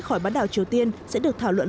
khỏi bán đảo triều tiên sẽ được thảo luận